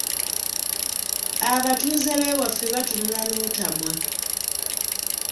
Abatuuze b’ewaffe batunula n’otamwa.